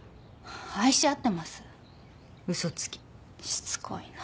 しつこいな。